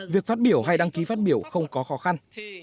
việc phát biểu hay đăng ký phát biểu không có khó khăn